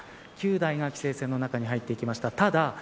９台が規制線の中に入っていきました。